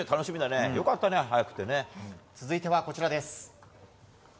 続いてはこちらです。